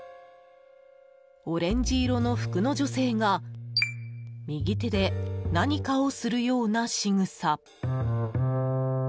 オレンジ色の服の女性が右手で何かをするような仕草。